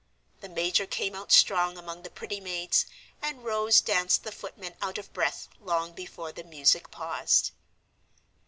The major came out strong among the pretty maids, and Rose danced the footmen out of breath long before the music paused.